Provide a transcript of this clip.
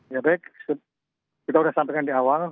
ya baik kita sudah sampaikan di awal